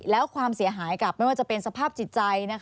แล้วความเสียหายกับไม่ว่าจะเป็นสภาพจิตใจ